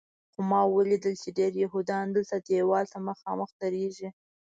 خو ما ولیدل چې ډېر یهودیان دلته دیوال ته مخامخ درېږي.